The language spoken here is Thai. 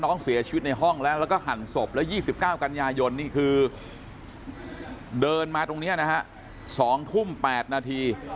น้องเสียชีวิตในห้องแล้วแล้วก็หั่นศพแล้ว๒๙กันยายนนี่คือเดินมาตรงนี้นะฮะ๒ทุ่ม๘นาที